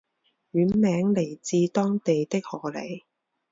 县名来自当地的河狸。